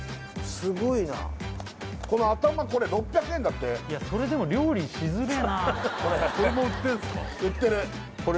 すごいなこの頭これ６００円だっていやそれでも料理しづれえなこれも売ってんすか？